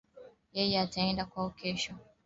Yeye ataenda kwao kesho